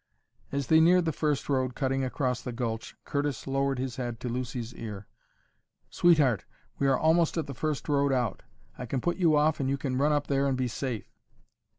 As they neared the first road cutting across the gulch Curtis lowered his head to Lucy's ear: "Sweetheart, we are almost at the first road out. I can put you off and you can run up there and be safe."